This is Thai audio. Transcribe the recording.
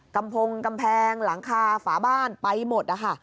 กำแพงพงกำแพงหลังคาฝาบ้านไปหมดนะคะ